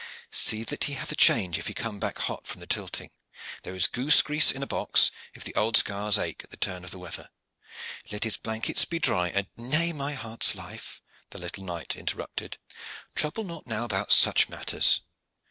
See that he hath a change if he come back hot from the tilting. There is goose grease in a box, if the old scars ache at the turn of the weather. Let his blankets be dry and " "Nay, my heart's life," the little knight interrupted, "trouble not now about such matters.